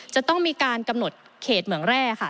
จะต้องมีการกำหนดเขตเหมืองแร่ค่ะ